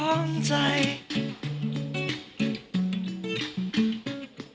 ขอบคุณค่ะ